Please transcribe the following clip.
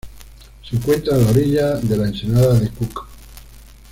Se encuentra a la orilla de la ensenada de Cook.